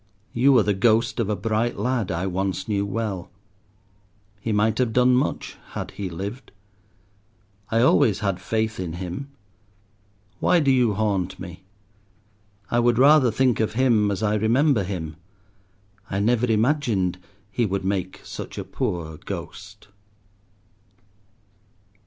You are the ghost of a bright lad I once knew well. He might have done much, had he lived. I always had faith in him. Why do you haunt me? I would rather think of him as I remember him. I never imagined he would make such a poor ghost.